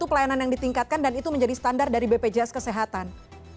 pelayanan yang ditingkatkan dan itu menjadi standar dari bpjs kesehatan